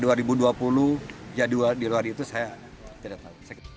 di luar itu saya tidak tahu